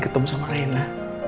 ketemu sama rena